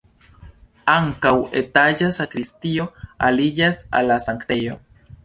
Ankaŭ etaĝa sakristio aliĝas al la sanktejo.